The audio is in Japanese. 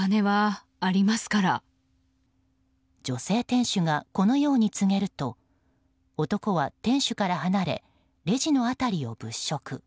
女性店主がこのように告げると男は店主から離れレジの辺りを物色。